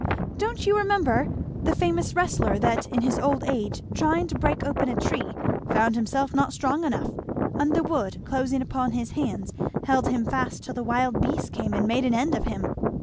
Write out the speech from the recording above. "Don't you remember, the famous wrestler that in his old age trying to break open a tree found himself not strong enough; and the wood closing upon his hands held him fast till the wild beasts came and made an end of him.